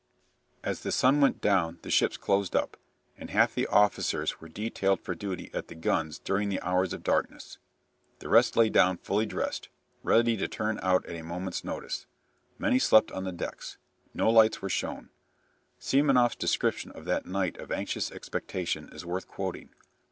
As the sun went down the ships closed up, and half the officers were detailed for duty at the guns during the hours of darkness. The rest lay down fully dressed, ready to turn out at a moment's notice. Many slept on the decks. No lights were shown. Semenoff's description of that night of anxious expectation is worth quoting.